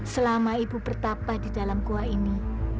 selama ibu bertapah di dalam kuah ini